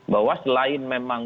bahwa selain memang